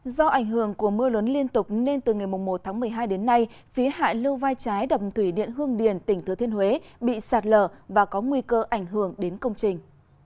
do ảnh hưởng của mưa lớn liên tục nên từ ngày một tháng một mươi hai đến nay phía hại lưu vai trái đập thủy điện hương điền tỉnh thừa thiên huế bị sạt lở và có nguy cơ ảnh hưởng đến công trình